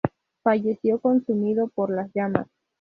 Falleció consumido por las llamas.